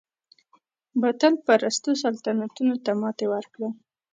باطل پرستو سلطنتونو ته ماتې ورکړه.